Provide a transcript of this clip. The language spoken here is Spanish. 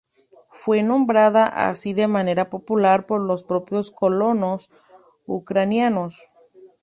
Fue nombrada así de manera popular por los propios colonos ucranianos.